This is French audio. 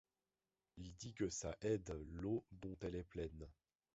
Il dit que ça aide, l’eau dont elle est pleine.